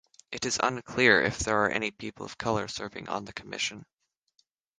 It is unclear if there are any people of color serving on the commission.